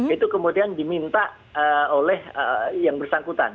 itu kemudian diminta oleh yang bersangkutan